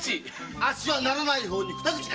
あっしはならない方に二口賭けました！